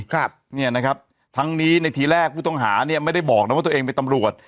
ครับเนี่ยนะครับทั้งนี้ในทีแรกผู้ต้องหาเนี่ยไม่ได้บอกนะว่าตัวเองเป็นตำรวจ